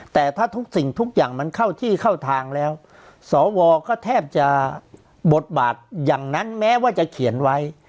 แต่ถ้าทุกสิ่งทุกอย่างมันเข้าที่เข้าทางแล้วสวก็แทบจะบทบาทอย่างนั้นแม้ว่าจะเขียนไว้